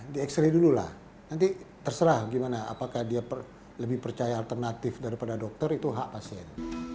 di x ray dulu lah nanti terserah gimana apakah dia lebih percaya alternatif daripada dokter itu hak pasien